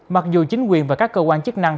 mặc dù chính quyền và các cơ quan chức năng